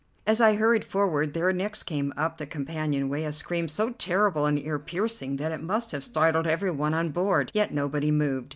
As I hurried forward there next came up the companion way a scream so terrible and ear piercing that it must have startled every one on board, yet nobody moved.